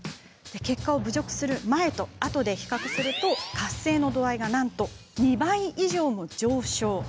結果を侮辱する前と後で比較すると活性の度合いはなんと２倍以上も上昇。